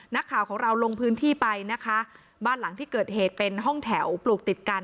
นักข่าวของเราลงพื้นที่ไปนะคะบ้านหลังที่เกิดเหตุเป็นห้องแถวปลูกติดกัน